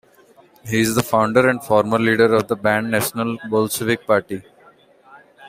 He is the founder and former leader of the banned National Bolshevik Party.